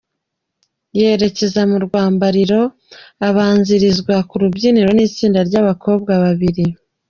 yerekeza mu rwambariro, abanzirizwa ku rubyiniro n’itsinda ry’abakobwa babiri.